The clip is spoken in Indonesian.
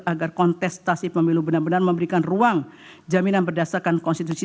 agar kontestasi pemilu benar benar memberikan ruang jaminan berdasarkan konstitusi